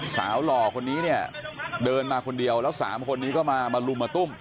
สาวหล่อคนนี้เดินมาคนเดียวแล้วสามคนนี้ก็มามาลุมมาตุ้ม